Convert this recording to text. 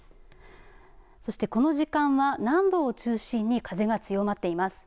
そして、この時間は南部を中心に風が強まっています。